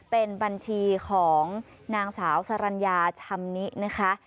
เป็นบัญชีของนางสาวสรรญาชำนินะคะ